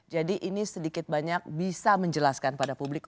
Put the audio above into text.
jadi ini sedikit banyak bisa menjelaskan pada publik